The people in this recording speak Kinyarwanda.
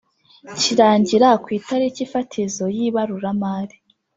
kirangira ku itariki fatizo y ibaruramari.